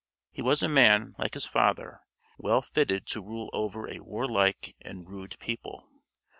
He was a man, like his father, well fitted to rule over a warlike and rude people.